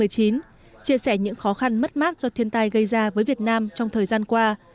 chia sẻ những khó khăn mất mát do thiên tai gây ra với việt nam trong thời gian qua